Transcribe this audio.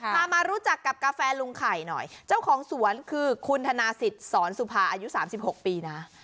มารู้จักกับกาแฟลุงไข่หน่อยเจ้าของสวนคือคุณธนาศิษย์สอนสุภาอายุ๓๖ปีนะ